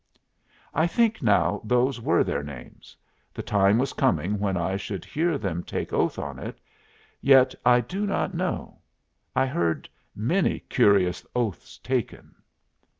I think now those were their names the time was coming when I should hear them take oath on it yet I do not know. I heard many curious oaths taken.